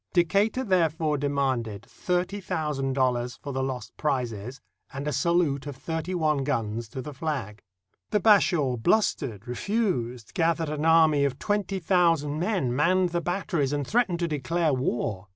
Decatur therefore demanded thirty thousand dollars for the lost prizes and a salute of thirty one guns to the flag. The Bashaw blustered, refused, gathered an army of twenty thousand men, manned the batteries, and threatened to declare war.